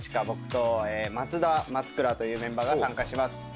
僕と松田松倉というメンバーが参加します。